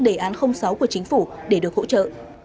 đề án sáu của chính phủ để được hỗ trợ